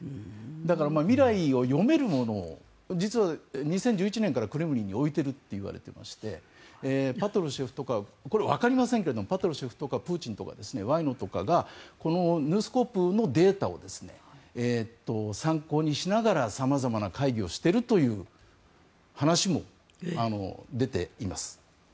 だから未来を読めるものを実は２０１１年からクレムリンに置いているといわれていましてわかりませんがパトルシェフとかプーチンとかワイノとかがこのヌースコープのデータを参考にしながら様々な会議をしているという話も出ています。